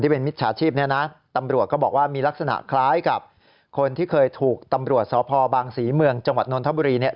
เป็นมิจฉาชีพเนี่ยนะตำรวจก็บอกว่ามีลักษณะคล้ายกับคนที่เคยถูกตำรวจสพบางศรีเมืองจังหวัดนนทบุรีเนี่ย